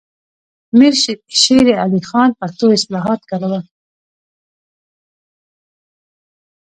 امیر شیر علي خان پښتو اصطلاحات کارول.